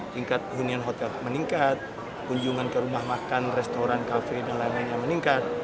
tingkat hunian hotel meningkat kunjungan ke rumah makan restoran kafe dan lain lainnya meningkat